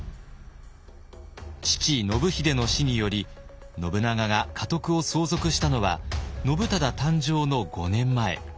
父信秀の死により信長が家督を相続したのは信忠誕生の５年前。